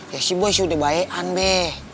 ya si boy sudah baik baik saja be